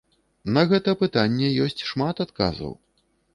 На гэта пытанне ёсць шмат адказаў.